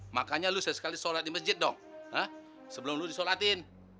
makanya lu sekali sekali sore di masjid dong sebelum disimbol atin emang kalau kita soal